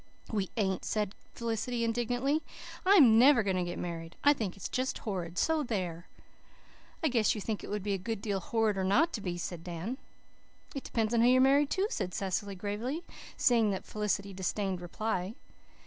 "We ain't," said Felicity indignantly. "I am NEVER going to get married. I think it is just horrid, so there!" "I guess you think it would be a good deal horrider not to be," said Dan. "It depends on who you're married to," said Cecily gravely, seeing that Felicity disdained reply.